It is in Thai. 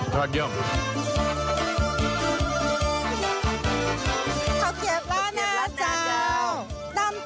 เขาเกียบแล้วนะจ้าว